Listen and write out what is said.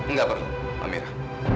nggak perlu amira